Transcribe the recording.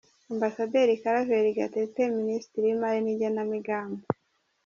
Amb Claver Gatete, Minisitiri w’Imari n’Igenamigambi.